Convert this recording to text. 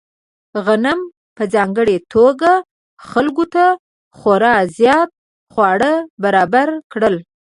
غنم په ځانګړې توګه خلکو ته خورا زیات خواړه برابر کړل.